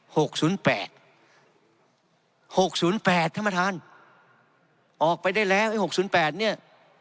หกศูนย์แปดหกศูนย์แปดท่านประธานออกไปได้แล้วไอ้หกศูนย์แปดเนี้ย